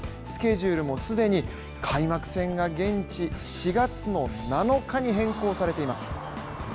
スケジュールも既に開幕戦が現地４月７日に変更されています。